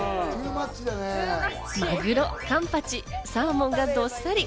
マグロ、カンパチ、サーモンがどっさり。